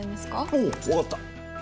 おう分かった。